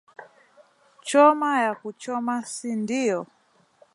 Choma ya kuchoma si ndio